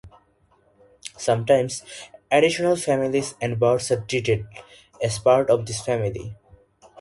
Sometimes, additional families and birds are treated as part of this family.